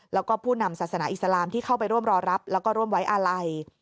แล้วก็ผู้นำศาสนาอิสลามที่เข้าไปร่วมรอรับแล้วก็ร่วมไว้อาลัย